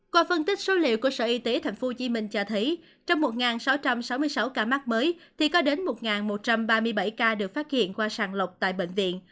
qua phân tích số liệu của sở y tế tp hcm cho thấy trong một sáu trăm sáu mươi sáu ca mắc mới thì có đến một một trăm ba mươi bảy ca được phát hiện qua sàng lọc tại bệnh viện